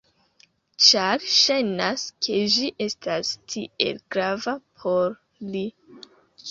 Ĉar ŝajnas ke ĝi estas tiel grava por li.